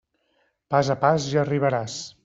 Pas a pas, ja arribaràs.